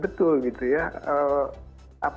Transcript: saya ingin menekan